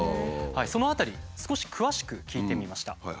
その辺り少し詳しく聞いてみました。